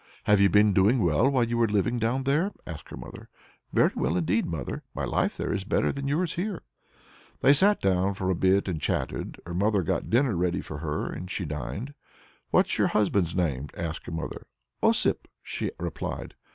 "Have you been doing well while you were living down there?" asked her mother. "Very well indeed, mother. My life there is better than yours here." They sat down for a bit and chatted. Her mother got dinner ready for her, and she dined. "What's your husband's name?" asked her mother. "Osip," she replied.